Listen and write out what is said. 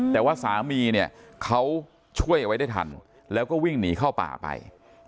แต่ว่าสามีเนี่ยเขาช่วยเอาไว้ได้ทันแล้วก็วิ่งหนีเข้าป่าไป